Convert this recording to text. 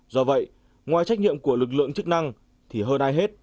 do vậy ngoài trách nhiệm của lực lượng chức năng thì hơn ai hết